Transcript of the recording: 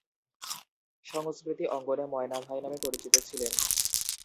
সংস্কৃতি অঙ্গনে ময়না ভাই নামে পরিচিত ছিলেন।